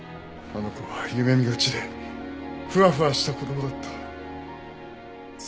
あの子は夢見がちでフワフワした子供だった。